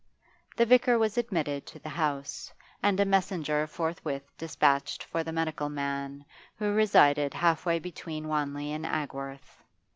The vicar was admitted to the house, and a messenger forthwith despatched for the medical man, who resided halfway between Wanley and Agworth.